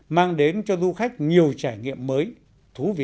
mang đến cho du khách nhiều trải nghiệm mới thú vị